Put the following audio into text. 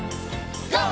ＧＯ！